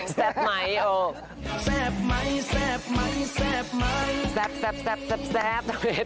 แซ่บไหมแซ่บไหมแซ่บไหม